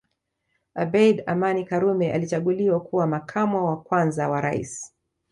Abeid Amani Karume alichaguliwa kuwa Makamo wa kwanza wa Rais